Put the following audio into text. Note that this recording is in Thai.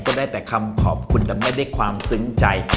ได้แต่คำขอบคุณแต่ไม่ได้ความซึ้งใจ